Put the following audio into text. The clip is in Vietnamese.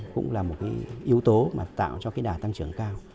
cũng là một yếu tố tạo cho đà tăng trưởng cao